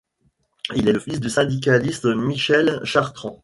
Il est le fils du syndicaliste Michel Chartrand.